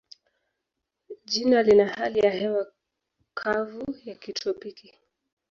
Jiji lina hali ya hewa kavu ya kitropiki.